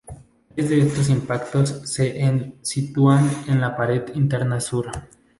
Tres de estos impactos se en sitúan en la pared interna sur.